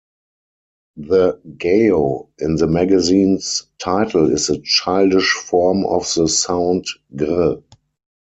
The "Gao" in the magazine's title is a childish form of the sound "Grr".